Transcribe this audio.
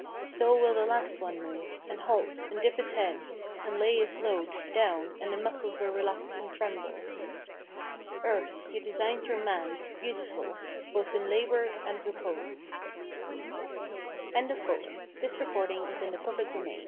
So will the last one move, And halt, and dip his head, and lay his load Down, and the muscles will relax and tremble. .. Earth, you designed your man Beautiful both in labour, and repose. PR.ESJ W. H. SMITH & SON STAMFORD STREET LONDON.